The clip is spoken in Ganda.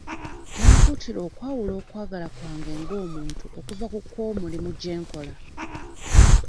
Yankuutira okwawula okwagala kwange ng'omuntu okuva ku kw'omulimu gye nkola.